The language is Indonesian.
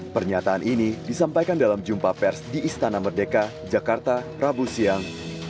pernyataan ini disampaikan dalam jumpa pers di istana merdeka jakarta rabu siang